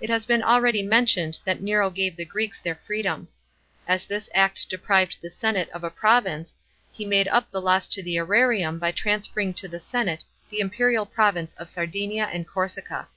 It has been already mentioned that Nero gave the Greeks their freedom. As this act deprived the senate of a province, he made up the loss to the serarium by transferring to the senate the imperial province of Sardinia and Corsica.